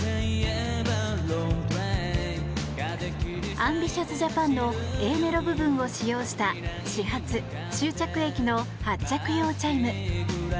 「ＡＭＢＩＴＩＯＵＳＪＡＰＡＮ！」のＡメロ部分を使用した始発・終着駅の発着用チャイム。